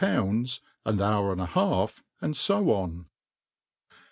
pounds an hour .and a half^ and'f^ oo; \.